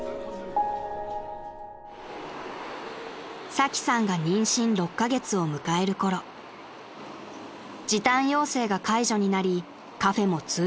［サキさんが妊娠６カ月を迎えるころ時短要請が解除になりカフェも通常営業に］